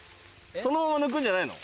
そのまま抜くんじゃないの？